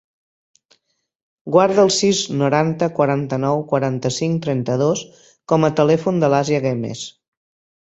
Guarda el sis, noranta, quaranta-nou, quaranta-cinc, trenta-dos com a telèfon de l'Asia Guemes.